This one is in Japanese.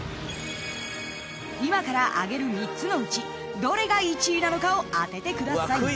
［今から挙げる３つのうちどれが１位なのかを当ててください］